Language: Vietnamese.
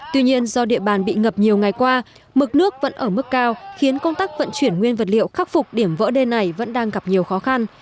tuy nhiên do địa bàn bị ngập nhiều ngày qua mực nước vẫn ở mức cao khiến công tác vận chuyển nguyên vật liệu khắc phục điểm vỡ đê này vẫn đang gặp nhiều khó khăn